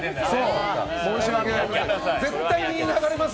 申し訳ないです。